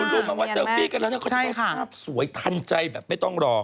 คุณรู้มั้ยว่าเซอร์ฟี่กันแล้วเขาจะได้ภาพสวยทันใจแบบไม่ต้องรอ